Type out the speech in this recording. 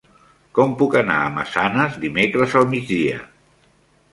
Com puc anar a Massanes dimecres al migdia?